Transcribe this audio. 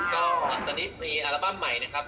ก็ตอนนี้มีอัลบั้มใหม่นะครับ